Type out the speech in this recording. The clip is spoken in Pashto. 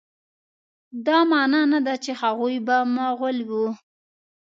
دا معنی نه ده چې هغوی به مغول وه.